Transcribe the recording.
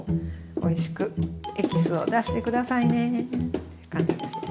おいしくエキスを出して下さいね感じですね。